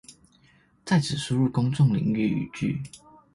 在此輸入公眾領域語句